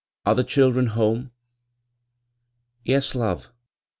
are the children home?" "Yes, love!"